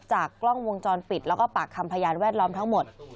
กล้องวงจรปิดแล้วก็ปากคำพยานแวดล้อมทั้งหมด